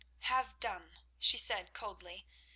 "Have done," she said coldly.